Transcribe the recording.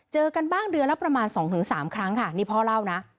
เจอกันบ้างเดือนละประมาณ๒๓ครั้งค่ะนี่พ่อเล่านะ